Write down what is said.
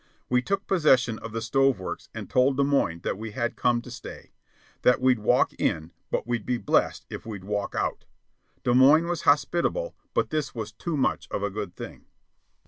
We took possession of the stove works and told Des Moines that we had come to stay that we'd walked in, but we'd be blessed if we'd walk out. Des Moines was hospitable, but this was too much of a good thing.